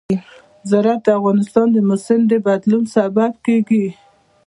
زراعت د افغانستان د موسم د بدلون سبب کېږي.